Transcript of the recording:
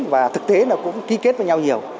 và thực tế là cũng ký kết với nhau nhiều